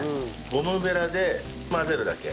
ゴムベラで混ぜるだけ。